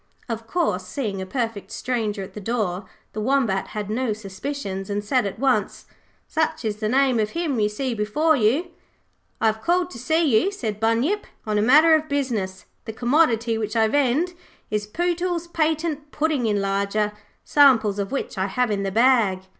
Of course, seeing a perfect stranger at the door, the Wombat had no suspicions, and said at once, 'Such is the name of him you see before you.' 'I have called to see you,' said Bunyip, 'on a matter of business. The commodity which I vend is Pootles's Patent Pudding Enlarger, samples of which I have in the bag.